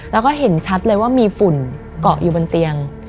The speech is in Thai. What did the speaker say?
แล้วก็เห็นชัดเลยว่ามีฝุ่นเกาะอยู่บนเตียง